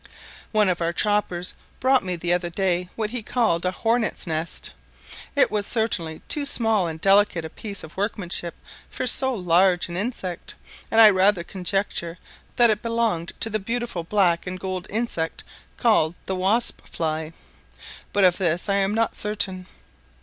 One of our choppers brought me the other day what he called a hornet's nest; it was certainly too small and delicate a piece of workmanship for so large an insect; and I rather conjecture that it belonged to the beautiful black and gold insect called the wasp fly, but of this I am not certain.